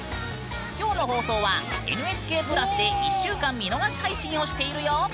今日の放送はＮＨＫプラスで１週間見逃し配信をしているよ。